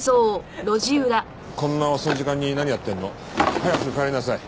こんな遅い時間に何やってんの？早く帰りなさい。